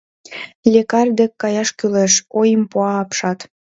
Лекарь дек каяш кӱлеш, — ойым пуа апшат.